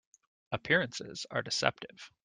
Appearances are deceptive.